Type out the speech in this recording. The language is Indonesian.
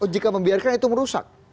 jika membiarkan itu merusak